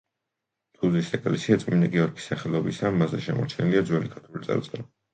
თუზის ეკლესია წმინდა გიორგის სახელობისაა, მასზე შემორჩენილია ძველი ქართული წარწერა.